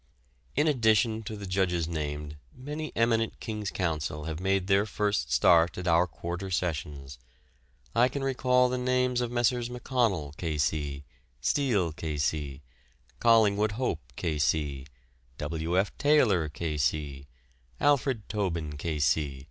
In addition to the judges named many eminent King's counsel have made their first start at our Quarter Sessions. I can recall the names of Messrs. McConnell, K.C., Steel, K.C., Collingwood Hope, K.C., W. F. Taylor, K.C., Alfred Tobin, K.C.